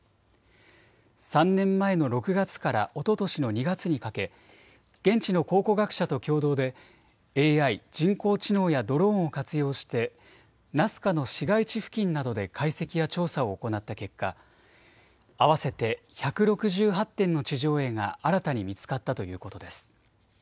３年前の６月からおととしの２月にかけ現地の考古学者と共同でＡＩ・人工知能やドローンを活用してナスカの市街地付近などで解析や調査を行った結果、合わせて１６８点の地上絵が新たに見つかったということです。